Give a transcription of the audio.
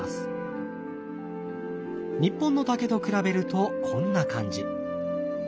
日本の竹と比べるとこんな感じ。